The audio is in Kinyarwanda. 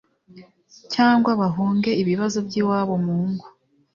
cyangwa bahunge ibibazo by iwabo mu ngo